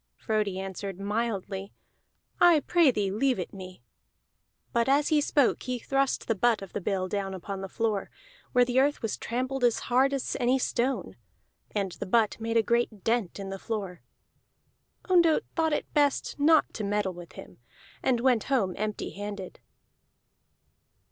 Frodi answered mildly: "I pray thee leave it me." But as he spoke he thrust the butt of the bill down upon the floor, where the earth was tramped as hard as any stone; and the butt made a great dent in the floor. Ondott thought it best not to meddle with him, and went home empty handed.